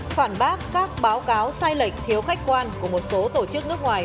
phản bác các báo cáo sai lệch thiếu khách quan của một số tổ chức nước ngoài